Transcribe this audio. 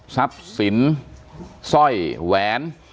ซับสินซ่อยแวน